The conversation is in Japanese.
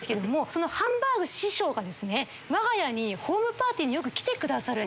そのハンバーグ師匠がわが家にホームパーティーに来てくださる。